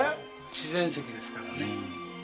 自然石ですからね。